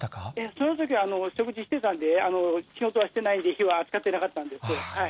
そのときは食事してたんで、仕事はしてないんで、火は扱ってなかったんですよ。